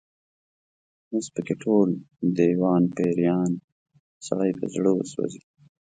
اوس په کې ټول، دېوان پيریان، سړی په زړه وسوځي